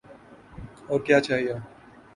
اور کیا چاہیے؟